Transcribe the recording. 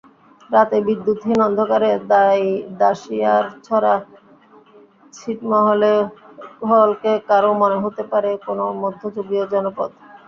রাতে বিদ্যুৎহীন অন্ধকারে দাসিয়ারছড়া ছিটমহলকে কারও মনে হতে পারে কোনো মধ্যযুগীয় জনপদ।